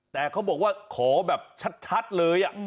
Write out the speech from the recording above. แต่เขาบอกว่าขอแบบชัดเลย